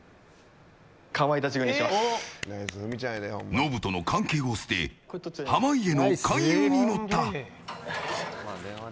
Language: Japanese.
ノブとの関係を捨て濱家の勧誘に乗った。